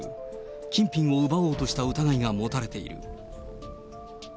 金品を奪おうとした疑いが持たれている。